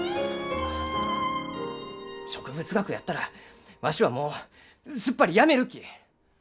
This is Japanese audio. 植物学やったらわしはもうすっぱりやめるき！